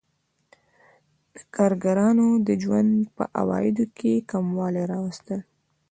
د کارګرانو د ژوند په عوایدو کې کموالی راوستل